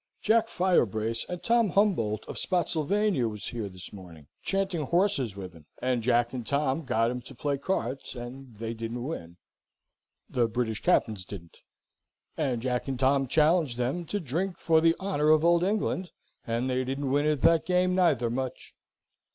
"Jack Firebrace and Tom Humbold of Spotsylvania was here this morning, chanting horses with 'em. And Jack and Tom got 'em to play cards; and they didn't win the British Captains didn't. And Jack and Tom challenged them to drink for the honour of Old England, and they didn't win at that game, neither, much.